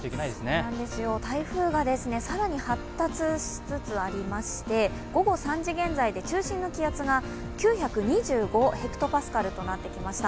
そうなんですよ、台風が更に発達しつつありまして午後３時現在で中心の気圧が９２５ｈＰａとなってきました。